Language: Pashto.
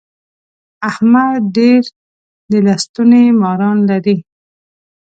احمد ډېر د لستوڼي ماران لري.